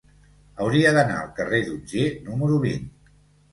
Hauria d'anar al carrer d'Otger número vint.